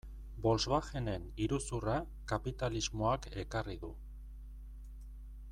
Volkswagenen iruzurra kapitalismoak ekarri du.